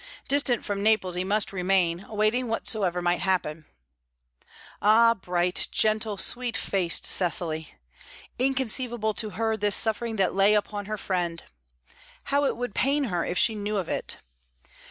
Distant from Naples he must remain, awaiting whatsoever might happen. Ah, bright, gentle, sweet faced Cecily! Inconceivable to her this suffering that lay upon her friend. How it would pain her if she knew of it!